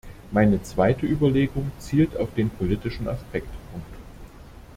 Meine zweite Überlegung zielt auf den politischen Aspekt.